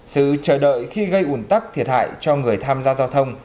sự chờ đợi khi gây ủn tắc thiệt hại cho người tham gia giao thông